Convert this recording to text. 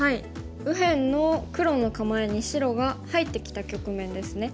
右辺の黒の構えに白が入ってきた局面ですね。